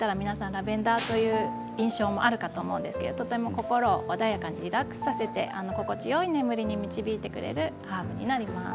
ラベンダーという印象もあるかと思うんですけどとても心を穏やかにリラックスさせて心地よい眠りに導いてくれるハーブになります。